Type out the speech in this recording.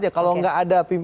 ya kalau nggak ada